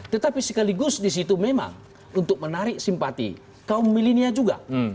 tetapi sekaligus di situ memang untuk menarik simpati kaum milenia juga